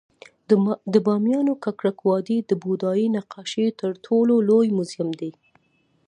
د بامیانو ککرک وادي د بودايي نقاشیو تر ټولو لوی موزیم دی